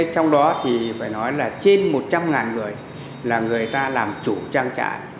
trong đó thì phải nói là trên một trăm linh người là người ta làm chủ trang trại